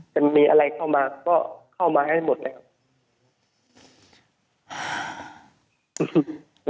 จะมีอะไรเข้ามาก็เข้ามาให้หมดเลยครับ